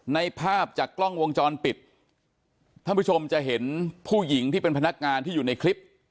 ภาพจากกล้องวงจรปิดท่านผู้ชมจะเห็นผู้หญิงที่เป็นพนักงานที่อยู่ในคลิป